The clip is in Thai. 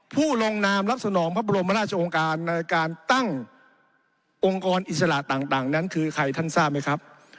ผู้ลงนามรับสนองพระบรมราชองค์การในการตั้งองค์กรอิสระต่างนั้นคือใครท่านทราบไหมครับ